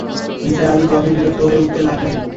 নিসার আলি ক্রমেই বিরক্ত হয়ে উঠতে লাগলেন।